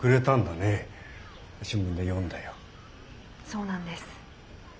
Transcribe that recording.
そうなんです。